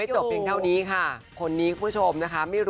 ทั้งหมด๑๔ใบ